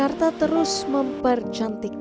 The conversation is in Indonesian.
jakarta terus mempercantikkan